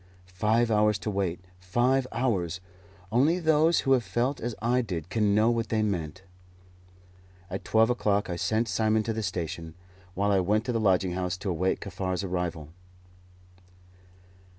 Five hours to wait five hours! Only those who have felt as I did can know what they meant. At twelve o'clock I sent Simon to the station, while I went to the lodging house to await Kaffar's arrival.